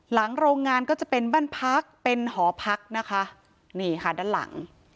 โรงงานก็จะเป็นบ้านพักเป็นหอพักนะคะนี่ค่ะด้านหลัง